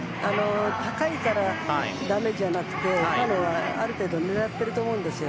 高いからだめじゃなくて今のは、ある程度狙っていると思うんですよ。